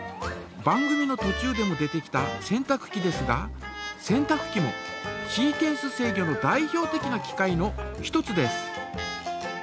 番組のとちゅうでも出てきた洗濯機ですが洗濯機もシーケンス制御の代表的な機械の一つです。